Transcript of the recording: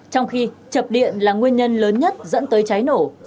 trong khi chập điện là nguyên nhân lớn nhất dẫn tới cháy nổ